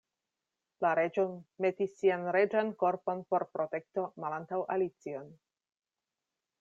La Reĝo metis sian reĝan korpon por protekto malantaŭ Alicion.